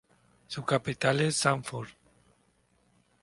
Su capital es Sanford.